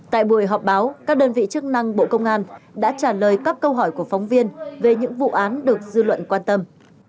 tại buổi họp báo các đơn vị chức năng bộ công an đã trả lời các câu hỏi của phóng viên về những vụ án được dư luận quan tâm